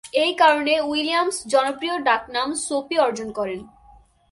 এই কারণে, উইলিয়ামস জনপ্রিয় ডাকনাম সোপি অর্জন করেন।